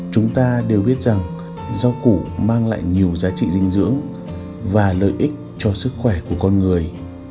chúng ta đều biết rằng rau củ mang lại nhiều giá trị dinh dưỡng và lợi ích cho sức khỏe của con người